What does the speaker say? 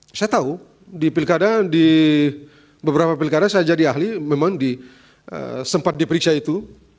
hai saya tahu di pilkada di beberapa berkarya saya jadi ahli memang di sempat diperiksa itu